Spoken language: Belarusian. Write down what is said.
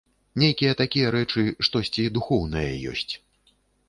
Нейкія такія рэчы, штосьці духоўнае ёсць.